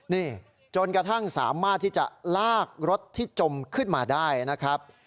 นี่จนกระทั่งสามารถที่จะลากรถที่จมขึ้นมาได้นะครับ